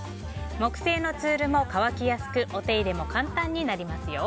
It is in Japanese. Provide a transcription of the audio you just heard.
木製のツールも乾きやすくお手入れも簡単になりますよ。